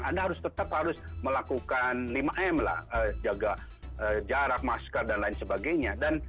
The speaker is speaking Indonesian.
anda harus tetap harus melakukan lima m lah jaga jarak masker dan lain sebagainya